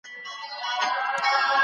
تاسو به له هر ډول فکري ستونزو څخه وځئ.